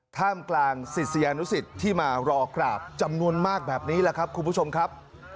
ถ้ำกลางสิทธิ์สยานุสิทธิ์ที่มารอคราบจำนวนมากแบบนี้ล่ะครับคุณผู้ชมครับ